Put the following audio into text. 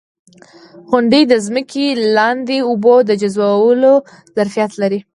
• غونډۍ د ځمکې لاندې اوبو د جذبولو ظرفیت لري.